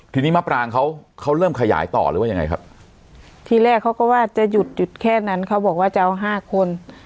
ทีนี้มะปรางเขาเขาเริ่มขยายต่อหรือว่ายังไงครับทีแรกเขาก็ว่าจะหยุดหยุดแค่นั้นเขาบอกว่าจะเอาห้าคน